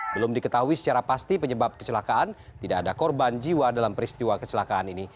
belum diketahui secara pasti penyebab kecelakaan tidak ada korban jiwa dalam peristiwa kecelakaan ini